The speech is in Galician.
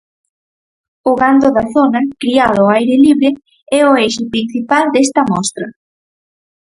O gando da zona, criado ao aire libre, é o eixe principal desta mostra.